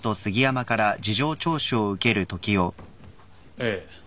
ええ。